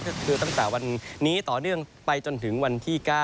ก็คือตั้งแต่วันนี้ต่อเนื่องไปจนถึงวันที่๙